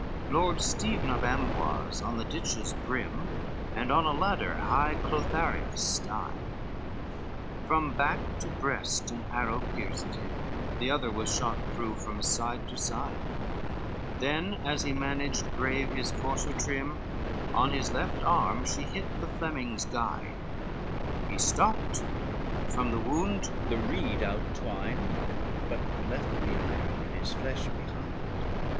XLIII Lord Stephen of Amboise on the ditch's brim, And on a ladder high, Clotharius died, From back to breast an arrow pierced him, The other was shot through from side to side: Then as he managed brave his courser trim, On his left arm he hit the Flemings' guide, He stopped, and from the wound the reed out twined, But left the iron in his flesh behind.